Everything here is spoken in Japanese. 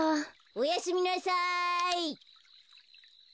・おやすみなさい！